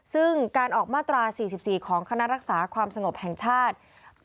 ซึ่งการออกมาตรา๔๔ของคณะรักษาความสงบแห่งชาติ